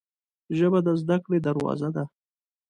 ژبه د زده کړې دروازه ده